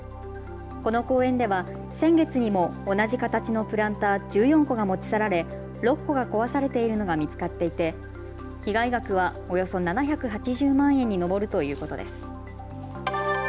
この公園では先月にも同じ形のプランター１４個が持ち去られ、６個が壊されているのが見つかっていて被害額は、およそ７８０万円に上るということです。